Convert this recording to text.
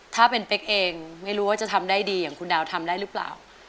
ถ้าเป็นเป๊กเองไม่รู้ว่าจะทำได้ดีอย่างคุณดาวทำได้หรือเปล่า